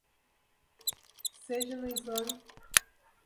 Seja no Islã?